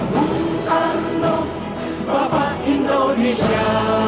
bung karno bapak indonesia